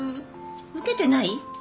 受けてない？